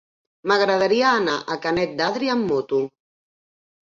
M'agradaria anar a Canet d'Adri amb moto.